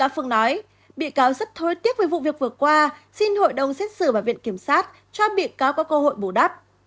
xin hội đồng xét xử và viện kiểm sát cho bị cáo có cơ hội bù đắp